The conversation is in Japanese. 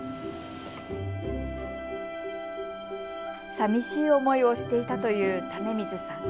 さみしい思いをしていたという為水さん。